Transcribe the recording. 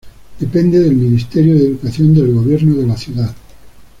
Depende del Ministerio de Educación del Gobierno de la Ciudad.